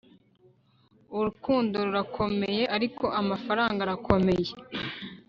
urukundo rurakomeye, ariko amafaranga arakomeye